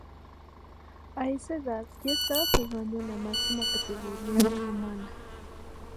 A esa edad ya estaba jugando en la máxima categoría rumana.